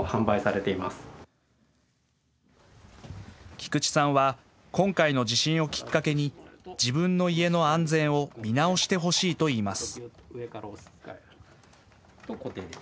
菊池さんは今回の地震をきっかけに自分の家の安全を見直してほしいと言います。